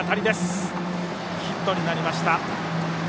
ヒットになりました。